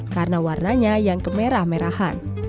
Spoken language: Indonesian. karena warnanya yang kemerah merahan